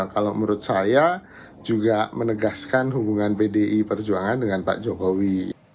kalau menurut saya juga menegaskan hubungan pdi perjuangan dengan pak jokowi